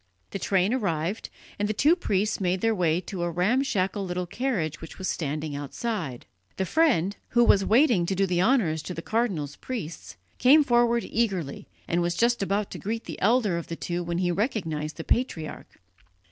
The train arrived, and the two priests made their way to a ramshackle little carriage which was standing outside. The friend, who was waiting to do the honours to the cardinal's priests, came forward eagerly, and was just about to greet the elder of the two when he recognized the patriarch.